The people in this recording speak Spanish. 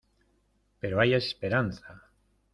pero hay esperanza.